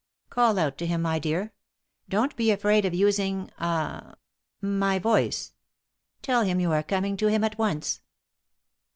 Call out to him, my dear. Don't be afraid of using ah my voice. Tell him you are coming to him at once."